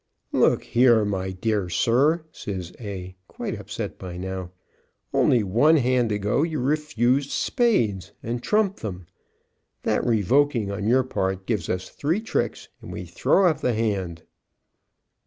"Look here, my dear sir!" says A, quite upset by now. "Only one hand ago you refused spades and trumped them. That revoking on your part gives us three tricks and we throw up the hand."